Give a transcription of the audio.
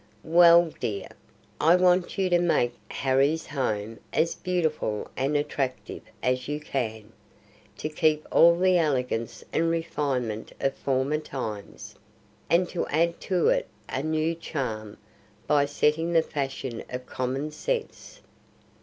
"Well, dear, I want you to make Harry's home as beautiful and attractive as you can; to keep all the elegance and refinement of former times, and to add to it a new charm by setting the fashion of common sense.